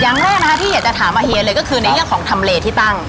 อย่างแรกนะคะที่อยากจะถามอาเฮียเลยก็คือในเรื่องของทำเลที่ตั้ง